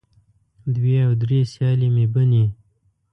دوې او درې سیالې مې بنې